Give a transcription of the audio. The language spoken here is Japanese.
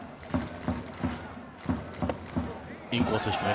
インコース低め